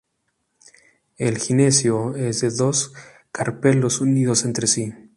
El gineceo es de dos carpelos unidos entre sí.